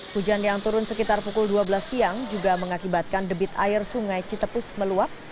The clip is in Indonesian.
hujan yang turun sekitar pukul dua belas siang juga mengakibatkan debit air sungai citepus meluap